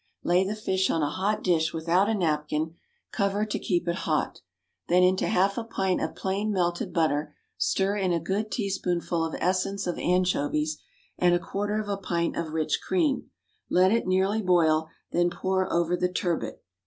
Lay the fish on a hot dish without a napkin, cover to keep it hot. Then into half a pint of plain melted butter, stir in a good teaspoonful of essence of anchovies, and a quarter of a pint of rich cream; let it nearly boil, then pour over the turbot.